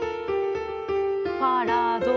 ファラドミ。